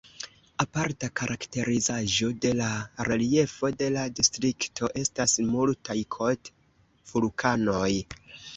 Aparta karakterizaĵo de la reliefo de la distrikto estas multaj kot-vulkanoj.